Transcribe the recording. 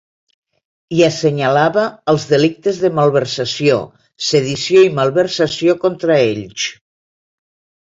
I assenyalava els delictes de malversació, sedició i malversació contra ells.